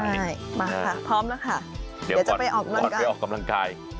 ใช่มาค่ะพร้อมแล้วค่ะเดี๋ยวก่อนไปออกกำลังกาย